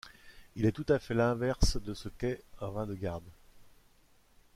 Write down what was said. Il est tout à fait l'inverse de ce qu'est un vin de garde.